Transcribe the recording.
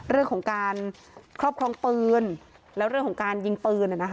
เรื่องของการครอบครองปืนแล้วเรื่องของการยิงปืน